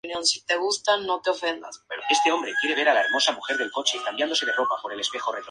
En las epístolas paulinas y las epístolas generales, su texto es mixto.